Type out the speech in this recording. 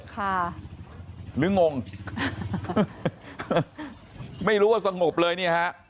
ค่ะหรืองงไม่รู้ว่าสงบเลยนี่ฮะ